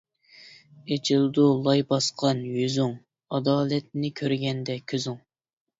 ئىچىلىدۇ لاي باسقان يۈزۈڭ، ئادالەتنى كۆرگەندە كۆزۈڭ.